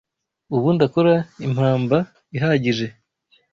Ubu ndakora impamba ihagije